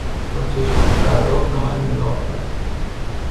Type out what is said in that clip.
با چشمانی براق به من نگاه کرد.